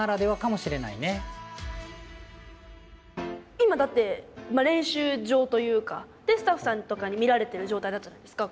今だって練習場というかでスタッフさんとかに見られてる状態だったじゃないですか。